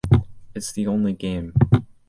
It's the only game.